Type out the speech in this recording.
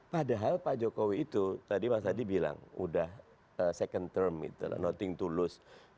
padahal pak jokowi itu tadi mas adi bilang udah second term gitu loh nothing to lose